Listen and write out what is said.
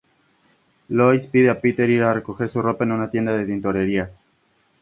Lois pide a Peter ir a recoger su ropa en una tienda de tintorería.